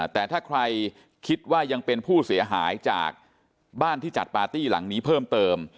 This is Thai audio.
แต่ถ้าใครคิดว่ายังเป็นผู้เสียหายจากบ้านที่จัดปาร์ตี้หลังนี้เพิ่มเติม